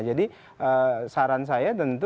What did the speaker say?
jadi saran saya tentu